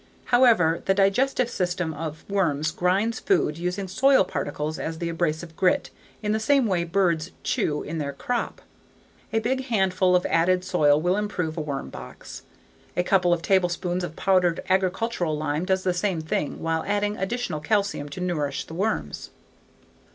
However, the digestive system of worms grinds food using soil particles as the abrasive grit in the same way birds "chew" in their crop. A big handful of added soil will improve a worm box. A couple of tablespoonfuls of powdered agricultural lime does the same thing while adding additional calcium to nourish the worms.